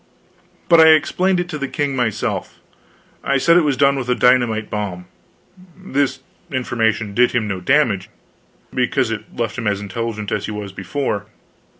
But I explained it to the king myself. I said it was done with a dynamite bomb. This information did him no damage, because it left him as intelligent as he was before.